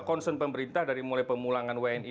concern pemerintah dari mulai pemulangan wni